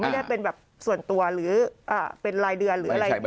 ไม่ได้เป็นแบบส่วนตัวหรือเป็นรายเดือนหรืออะไรอย่างนี้